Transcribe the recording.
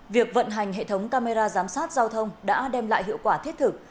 việc vận hành hệ thống camera giám sát giao thông đã đem lại hiệu quả thiết thực